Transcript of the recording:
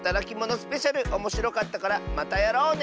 スペシャルおもしろかったからまたやろうね！